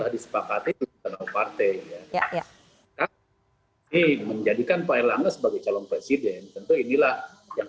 disepakati dengan partai ya ya ya menjadikan pak erlangga sebagai calon presiden tentu inilah yang